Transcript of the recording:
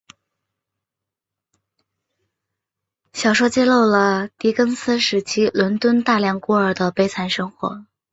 小说揭露了狄更斯时代伦敦大量孤儿的悲惨生活。